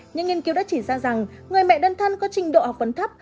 những nghiên cứu đã chỉ ra rằng người mẹ đơn thân có trình độ học vấn thấp